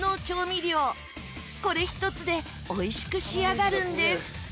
これ１つでおいしく仕上がるんです。